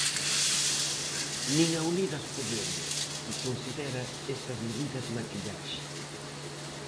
Nin a Unidas Podemos, que considera estas medidas maquillaxe.